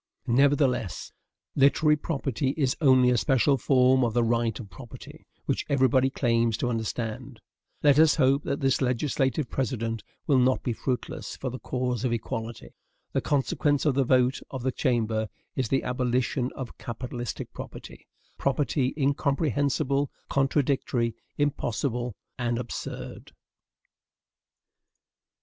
Nevertheless, literary property is only a special form of the right of property, which everybody claims to understand. Let us hope that this legislative precedent will not be fruitless for the cause of equality. The consequence of the vote of the Chamber is the abolition of capitalistic property, property incomprehensible, contradictory, impossible, and absurd.